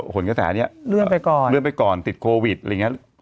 ขนกระแสนี้เลื่อนไปก่อนเลื่อนไปก่อนติดโควิดอะไรอย่างนี้